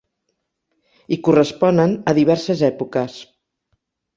I corresponen a diverses èpoques.